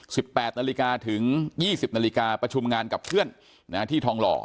แปดนาฬิกาถึงยี่สิบนาฬิกาประชุมงานกับเพื่อนนะฮะที่ทองหล่อ